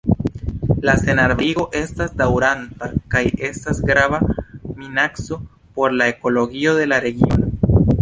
La senarbarigo estas daŭranta kaj estas grava minaco por la ekologio de la regiono.